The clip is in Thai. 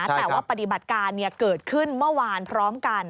แต่ว่าปฏิบัติการเกิดขึ้นเมื่อวานพร้อมกัน